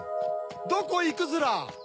どこいくヅラ？